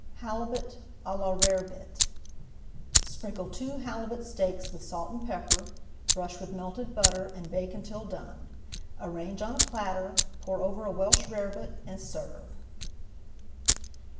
HALIBUT À LA RAREBIT Sprinkle two halibut steaks with salt and pepper, brush with melted butter, and bake until done. Arrange on a platter, pour over a Welsh rarebit, and serve.